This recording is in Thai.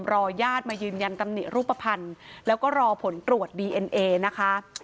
ญาติมายืนยันตำหนิรูปภัณฑ์แล้วก็รอผลตรวจดีเอ็นเอนะคะ